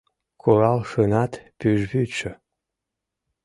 Куралшынат пӱжвӱдшӧ